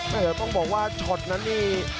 แต่ต้องบอกว่าฉอดนั้นนี่